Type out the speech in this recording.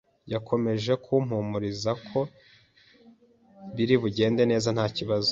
yakomeje kumpumuriza ko biri bugende neza ntakibazo.